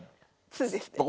通ですね。